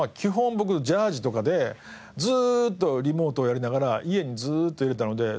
僕ジャージーとかでずーっとリモートをやりながら家にずーっといれたのですごくよかったですね。